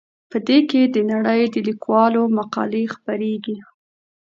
په دې کې د نړۍ د لیکوالو مقالې خپریږي.